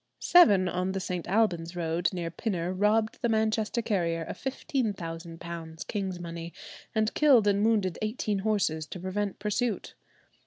Seven on the St. Alban's road near Pinner robbed the Manchester carrier of £15,000 king's money, and killed and wounded eighteen horses to prevent pursuit.